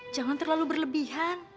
jangan terlalu berlebihan